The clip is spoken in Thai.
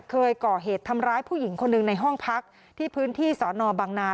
เคยก่อเหตุทำร้ายผู้หญิงคนหนึ่งในห้องพักที่พื้นที่สอนอบังนา